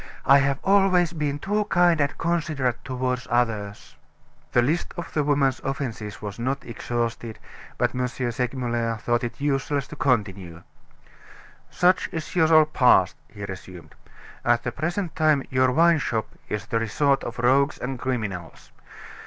I have always been too kind and considerate toward others." The list of the woman's offenses was not exhausted, but M. Segmuller thought it useless to continue. "Such is your past," he resumed. "At the present time your wine shop is the resort of rogues and criminals.